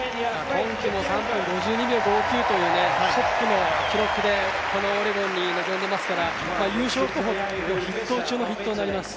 今季も３分５２秒５９というトップの記録でこのオレゴンに臨んでいますから優勝候補筆頭中の筆頭になります。